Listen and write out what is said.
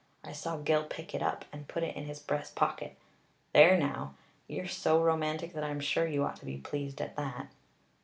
I saw Gil pick it up and put it in his breast pocket. There now. You're so romantic that I'm sure you ought to be pleased at that."